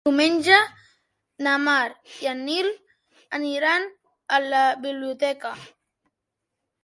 Diumenge na Mar i en Nil aniran a la biblioteca.